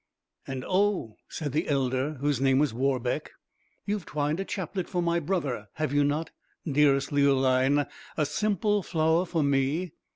"And oh," said the elder, whose name was Warbeck, "you have twined a chaplet for my brother; have you not, dearest Leoline, a simple flower for me?"